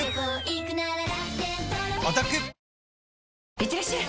いってらっしゃい！